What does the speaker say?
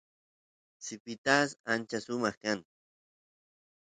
sipitas ancha sumaq kan